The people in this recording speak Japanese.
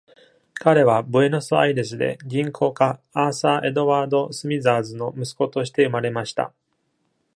彼はブエノスアイレスで銀行家アーサー・エドワード・スミザーズの息子として生まれました。